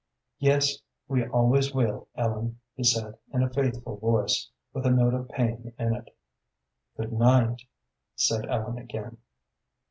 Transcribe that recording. "Yes, we always will, Ellen," he said, in a faithful voice, with a note of pain in it. "Good night," said Ellen again.